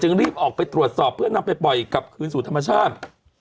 รีบออกไปตรวจสอบเพื่อนำไปปล่อยกลับคืนสู่ธรรมชาติ